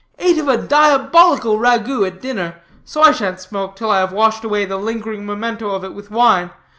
Ate of a diabolical ragout at dinner, so I shan't smoke till I have washed away the lingering memento of it with wine.